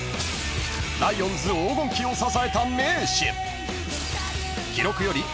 ［ライオンズ黄金期を支えた名手］